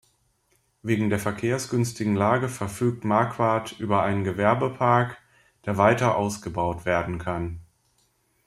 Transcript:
Wegen der verkehrsgünstigen Lage verfügt Marquardt über einen Gewerbepark, der weiter ausgebaut werden kann.